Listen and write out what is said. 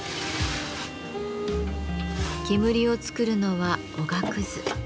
煙を作るのはおがくず。